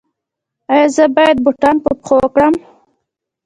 ایا زه باید بوټان په پښو کړم؟